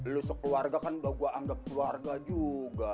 lo sekeluarga kan gak boleh anggap keluarga juga